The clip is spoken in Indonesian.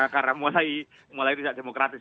karena mulai tidak demokratis